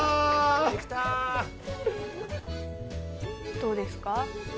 どうですか？